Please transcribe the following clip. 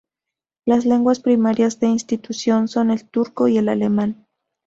Las lenguas primarias de instrucción son el turco y el alemán.